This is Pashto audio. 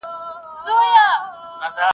ویل دا تعویذ دي زوی ته کړه په غاړه !.